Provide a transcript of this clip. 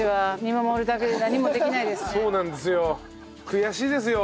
そうなんですよ。